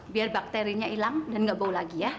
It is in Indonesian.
biar bakterinya hilang dan gak bau lagi ya